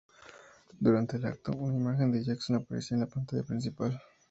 Durante el acto, una imagen de Jackson aparecía en la pantalla principal.